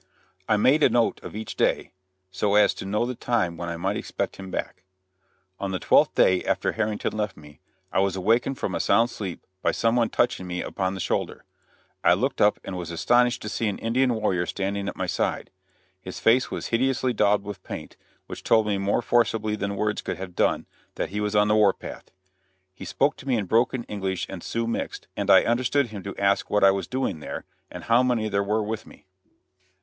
I made a note of each day, so as to know the time when I might expect him back. [Illustration: SAVED BY CHIEF RAIN IN THE FACE.] On the twelfth day after Harrington left me, I was awakened from a sound sleep by some one touching me upon the shoulder. I looked up and was astonished to see an Indian warrior standing at my side. His face was hideously daubed with paint, which told me more forcibly than words could have done that he was on the war path. He spoke to me in broken English and Sioux mixed, and I understood him to ask what I was doing there, and how many there were with me.